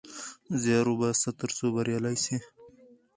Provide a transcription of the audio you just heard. زيار وباسه ترڅو بريالی سې